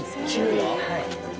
はい。